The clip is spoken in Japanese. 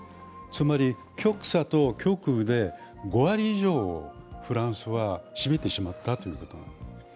つまり極左と極右で５割以上をフランスは占めてしまったということ。